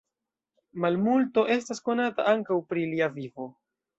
Malmulto estas konata ankaŭ pri lia vivo.